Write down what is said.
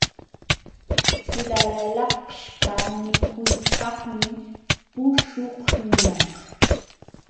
Ćhulalaqśhqa mikuykaqmi puśhuqñaq.